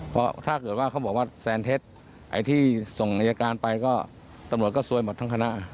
เพราะถ้าเกิดว่าเขาบอกว่าแซนเท็จไอ้ที่ส่งอายการไปก็ตำรวจก็ซวยหมดทั้งคณะ